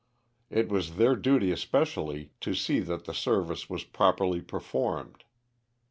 It was their duty especially to see that the service was properly performed.